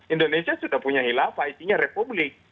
indonesia sudah punya hilafah isinya republik